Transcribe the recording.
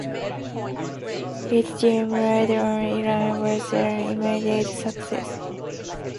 His game "Raid on Iran" was an immediate success.